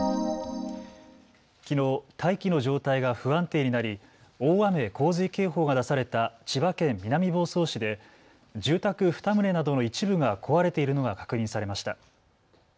きのう大気の状態が不安定になり大雨・洪水警報が出された千葉県南房総市で住宅２棟などの一部が壊れているのが確認されました。